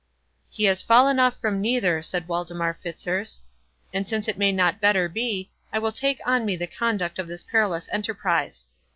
"He has fallen off from neither," said Waldemar Fitzurse; "and since it may not better be, I will take on me the conduct of this perilous enterprise.